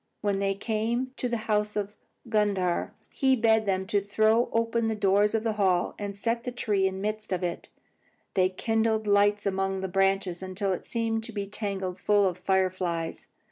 When they came to the house of Gundhar, he bade them throw open the doors of the hall and set the tree in the midst of it. They kindled lights among the branches until it seemed to be tangled full of fire flies.